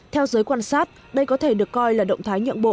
theo giới quan sát đây có thể được coi là động thái nhượng bộ